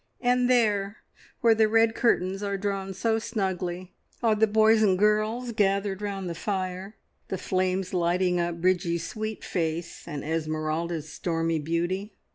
And there, where the red curtains are drawn so snugly, are the boys and girls gathered round the fire, the flames lighting up Bridgie's sweet face and Esmeralda's stormy beauty?